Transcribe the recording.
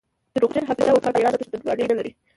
دروغجن حافظه وفا ميړانه پښتونولي نلري